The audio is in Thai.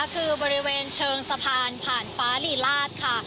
คือบริเวณเชิงสะพานผ่านฟ้าลีลาศค่ะ